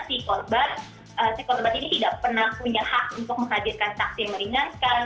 si korban si korban ini tidak pernah punya hak untuk menghadirkan saksi yang meringankan